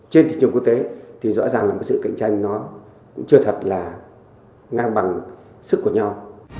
trên thị trường quốc tế thì rõ ràng là một cái sự cạnh tranh nó cũng chưa thật là ngang bằng sức của nhau